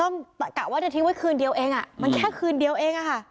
มันแค่คืนเดียวเองอ่ะมันแค่คืนเดียวเองอ่ะค่ะ